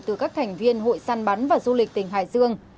từ các thành viên hội săn bắn và du lịch tỉnh hải dương